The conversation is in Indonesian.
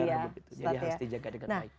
jadi harus dijaga dengan baik